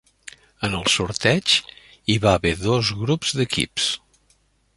En el sorteig, hi va haver dos grups d'equips.